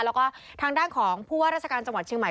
แล้วก็ทางด้านของผู้ว่าราชการจังหวัดเชียงใหม่